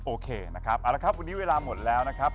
โอเคนะครับวันนี้เวลาหมดแล้วนะครับ